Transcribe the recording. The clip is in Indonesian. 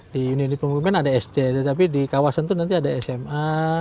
di unit unit pemukiman ada sd tetapi di kawasan itu nanti ada sma